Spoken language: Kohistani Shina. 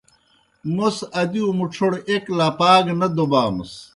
موْس ادِیؤ مُڇھوڑ ایْک لپَا گہ نہ دوبامَس۔